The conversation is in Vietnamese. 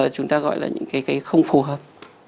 chúng ta gọi là những cái không phù hợp